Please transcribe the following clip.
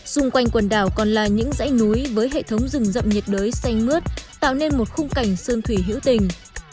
xung quanh quần đảo còn là những dãy núi với hệ thống rừng rậm nhiệt đới xanh mướt tạo nên một khung cảnh sơn thủy hữu tình